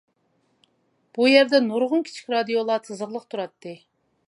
بۇ يەردە نۇرغۇن كىچىك رادىيولار تىزىقلىق تۇراتتى.